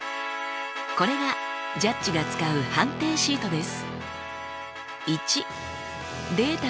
これがジャッジが使う判定シートです。